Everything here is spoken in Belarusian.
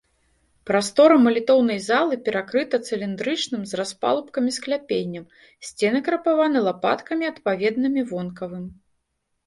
Прастора малітоўнай залы перакрыта цыліндрычным з распалубкамі скляпеннем, сцены крапаваны лапаткамі, адпаведнымі вонкавым.